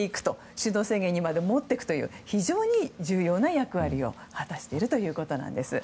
首脳宣言まで持っていくと非常に重要な役割を果たしているということなんです。